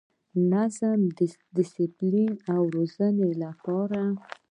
د نظم، ډسپلین او روزنې لپاره